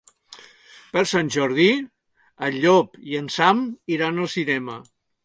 Per Sant Jordi en Llop i en Sam iran al cinema.